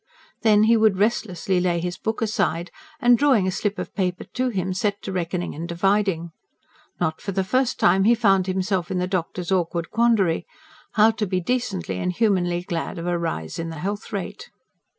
Then, he would restlessly lay his book aside, and drawing a slip of paper to him set to reckoning and dividing. Not for the first time he found himself in the doctor's awkward quandary: how to be decently and humanly glad of a rise in the health rate.